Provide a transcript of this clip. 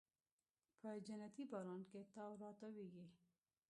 په جنتي باران کې تاو راتاویږې